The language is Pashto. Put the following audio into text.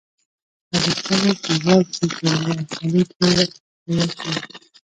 غريب خلک دیوال پرې کوي او خولې ته یې اچوي.